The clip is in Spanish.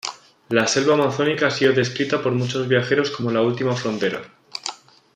La selva amazónica ha sido descrita por muchos viajeros como la última frontera.